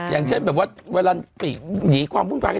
อย่างเช่นเวลาถูกหมาอยู่ที่นั่น